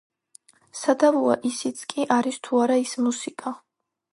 სადავოა ისიც კი არის თუ არა ის მუსიკა.